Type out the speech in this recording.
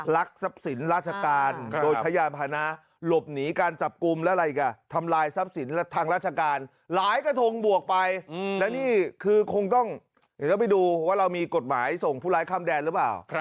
ทรัพย์สินราชการโดยใช้ยานพานะหลบหนีการจับกลุ่มแล้วอะไรอีกอ่ะทำลายทรัพย์สินทางราชการหลายกระทงบวกไปแล้วนี่คือคงต้องเดี๋ยวต้องไปดูว่าเรามีกฎหมายส่งผู้ร้ายข้ามแดนหรือเปล่า